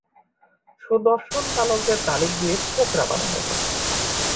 সুদর্শন বালকদের তালিম দিয়ে ছোকরা বানানো হয়।